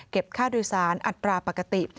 เก็บค่าด้วยสารอัตราปกติ